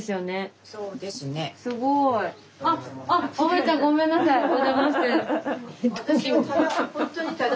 すごい。ごめんなさいお邪魔して。